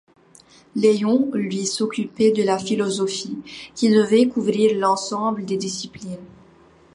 Léon, lui, s'occupait de la philosophie, qui devait couvrir l'ensemble des disciplines.